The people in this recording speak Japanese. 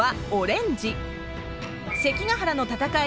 関ヶ原の戦い